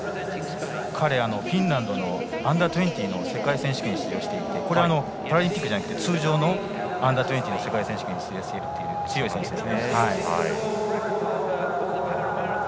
彼はフィンランドのＵ−２０の世界選手権に出場していてパラリンピックじゃなくて通常のＵ−２０の世界選手権に出場しているという強い選手です。